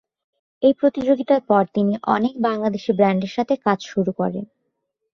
এই প্রতিযোগিতার পর, তিনি অনেক বাংলাদেশী ব্র্যান্ডের সাথে কাজ শুরু করেন।